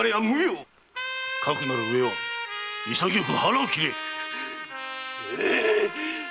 かくなるうえは潔く腹を切れ！